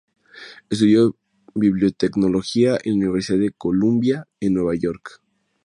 Estudió bibliotecología en la Universidad de Columbia, en Nueva York.